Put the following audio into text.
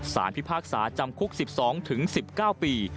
สารพิพากษาจำคุก๑๒ถึง๑๙ปี